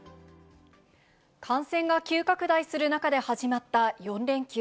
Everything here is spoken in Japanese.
感染が急拡大する中で始まった４連休。